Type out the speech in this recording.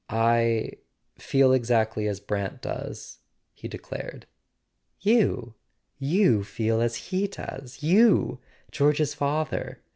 "I—feel exactly as Brant does," he declared. "You—you feel as he does? You, George's father?